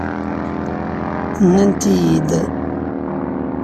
Nnant-iyi-id.